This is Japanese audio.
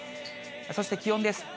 そして気温です。